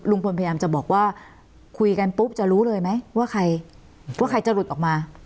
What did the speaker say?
พยายามจะบอกว่าคุยกันปุ๊บจะรู้เลยไหมว่าใครว่าใครจะหลุดออกมา